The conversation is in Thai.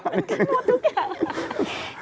มันก็นวดทุกอย่าง